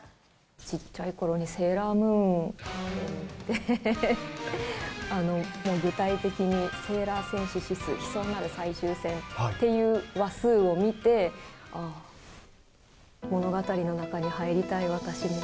ちっちゃいころにセーラームーンを見て、具体的に、セーラー戦士死す！悲壮なる最終戦っていう話数を見て、ああ、物語の中に入りたい、私も。